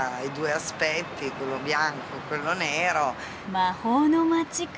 魔法の街か。